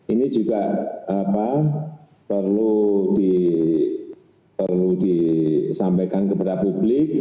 ini juga perlu disampaikan kepada publik